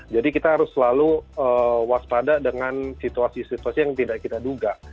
jadi kita harus selalu waspada dengan situasi situasi yang tidak kita duga